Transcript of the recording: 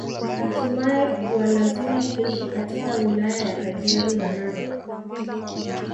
Hatimae kuwalazimu kuishi katika wilaya ya Kajiado na Narok